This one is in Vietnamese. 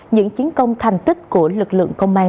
những chiến công thành tích của lực lượng công an